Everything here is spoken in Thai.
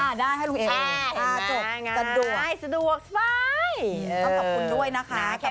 อ่าได้ให้ลุงเอง่ายสะดวกสะดวกสะดวกสะดวกสะดวกสะดวกสะดวก